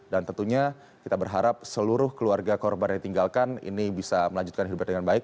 dan tentunya kita berharap seluruh keluarga korban yang ditinggalkan ini bisa melanjutkan hidupnya dengan baik